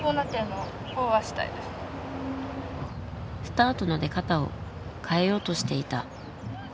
スタートの出方を変えようとしていた。